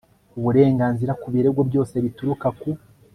Uburenganzira ku birego byose bituruka ku